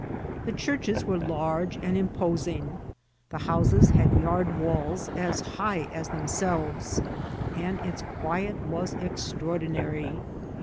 The churches were large and imposmg ; the houses had yard walls as hi^ as themselves ; and its quiet was extraordinary.